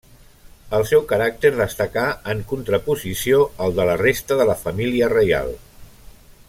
El seu caràcter destacà en contraposició al de la resta de la família reial.